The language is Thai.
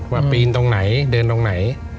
ว่าอืมปีนตรงไหนเดินตรงไหน